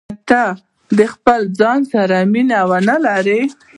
که ته د خپل ځان سره مینه ونه لرې.